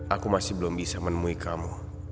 aku masih belum bisa menemui kamu